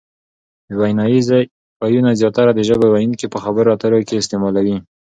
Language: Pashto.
ویناییز وییونه زیاتره د ژبو ویونکي په خبرو اترو کښي استعمالوي.